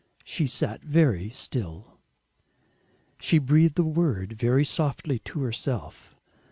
She sat very still. She breathed a word very softly to herself.